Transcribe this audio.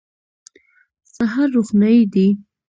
سهار روښنايي دی.